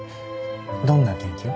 どんな研究？